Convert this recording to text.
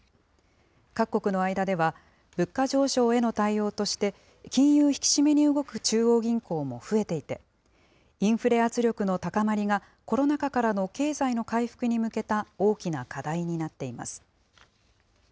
各国の間では、物価上昇への対応として、金融引き締めに動く中央銀行も増えていて、インフレ圧力の高まりが、コロナ禍からの経済の回復に向けた大きな課題になっています。